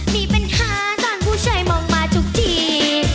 มีปัญหาตอนผู้ชายมองมาทุกที